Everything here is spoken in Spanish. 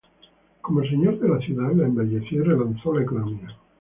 Como Señor de la ciudad, la embelleció y relanzó la economía.